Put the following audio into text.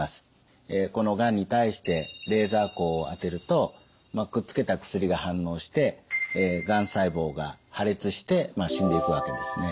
このがんに対してレーザー光を当てるとくっつけた薬が反応してがん細胞が破裂して死んでいくわけですね。